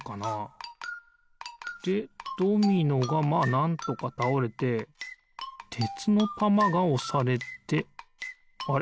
でドミノがまあなんとかたおれててつのたまがおされてあれ？